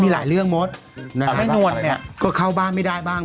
มีหลายเรื่องหมดนะครับไม่หนวดเนี่ยก็เข้าบ้านไม่ได้บ้าง